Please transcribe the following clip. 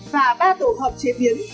và ba tổ hợp chế biến